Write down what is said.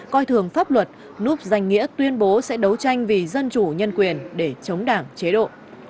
coi thường pháp luật núp danh nghĩa tuyên bố sẽ đấu tranh vì dân chủ nhân quyền để chống đảng chế độ